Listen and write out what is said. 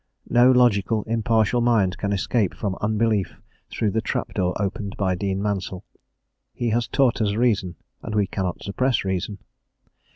No logical, impartial mind can escape from unbelief through the trap door opened by Dean Mansel: he has taught us reason, and we cannot suppress reason.